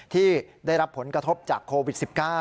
ที่ได้รับผลกระทบจากโควิด๑๙